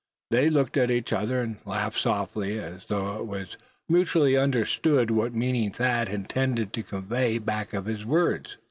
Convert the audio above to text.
They looked at each other, and laughed softly, as though it was mutually understood what meaning Thad intended to convey back of his words.